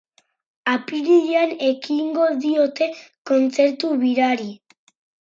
Apirilean ekingo diote kontzertu birari.